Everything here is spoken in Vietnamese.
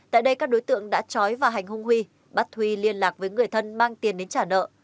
tại đây các đối tượng đã trói và hành hung huy bắt huy liên lạc với người thân mang tiền đến trả nợ